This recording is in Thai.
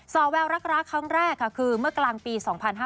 อแววรักครั้งแรกค่ะคือเมื่อกลางปี๒๕๕๙